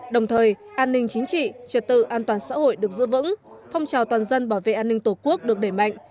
đồng thời an ninh chính trị trật tự an toàn xã hội được giữ vững phong trào toàn dân bảo vệ an ninh tổ quốc được đẩy mạnh